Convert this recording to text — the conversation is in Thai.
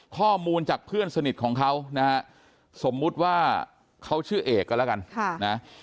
ข้อมูลจากเพื่อนสนิทของเขานะฮะสมมุติว่าเขาชื่อเอกก็แล้วกัน